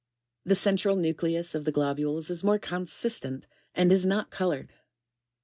The central nucleus of the globules is more consistant, and is not coloured.] 27.